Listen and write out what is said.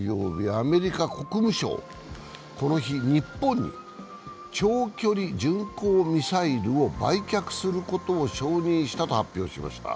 アメリカ国務省、この日日本に長距離巡航ミサイルを売却することを承認したと発表しました。